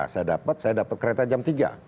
saya dapat kereta jam tiga